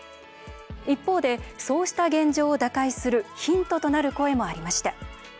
一方で、そうした現状を打開するヒントとなる声もありました。